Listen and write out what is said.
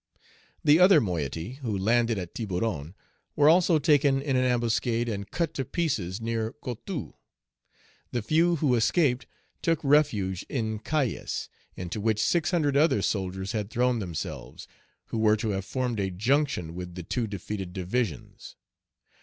The other moiety, who landed at Tiburon, were also taken in an ambuscade and cut to pieces near Coteaux. The few who escaped took refuge in Cayes, into which six hundred other soldiers had thrown themselves, who were to have formed a junction with the two defeated divisions.